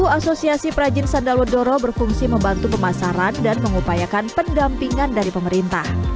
sepuluh asosiasi perajin sandal wedoro berfungsi membantu pemasaran dan mengupayakan pendampingan dari pemerintah